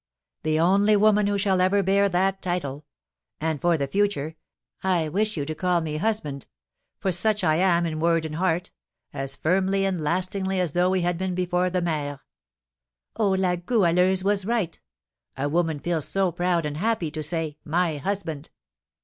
"The only woman who shall ever bear that title. And, for the future, I wish you to call me 'husband;' for such I am in word and heart, as firmly and lastingly as though we had been before the maire." "Oh, La Goualeuse was right. A woman feels so proud and happy to say 'My husband!'